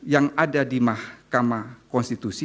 yang ada di mahkamah konstitusi